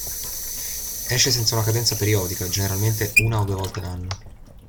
Esce senza una cadenza periodica, generalmente una o due volte l'anno.